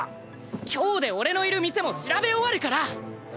今日で俺のいる店も調べ終わるから！